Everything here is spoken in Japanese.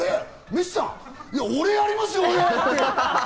メッシさん、俺やりますよ！